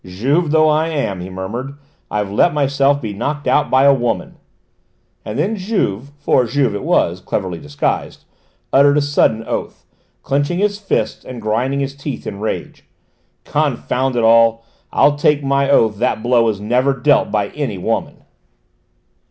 "Juve though I am," he murmured, "I've let myself be knocked out by a woman!" And then Juve, for Juve it was, cleverly disguised, uttered a sudden oath, clenching his fists and grinding his teeth in rage. "Confound it all, I'll take my oath that blow was never dealt by any woman!"